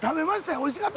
おいしかったです。